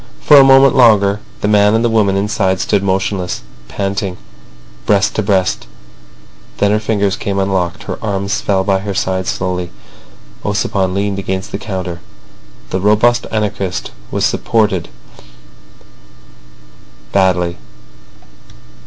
For a moment longer the man and the woman inside stood motionless, panting, breast to breast; then her fingers came unlocked, her arms fell by her side slowly. Ossipon leaned against the counter. The robust anarchist wanted support badly.